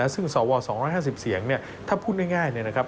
ซึ่งสว๒๕๐เสียงถ้าพูดง่ายเนี่ยนะครับ